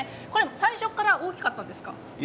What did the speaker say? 最初から大きかったんですか？